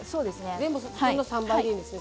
全部３倍でいいんですね